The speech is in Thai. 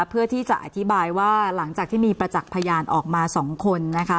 เพื่อที่จะอธิบายว่าหลังจากที่มีประจักษ์พยานออกมา๒คนนะคะ